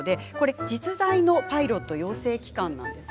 実在のパイロット養成機関です。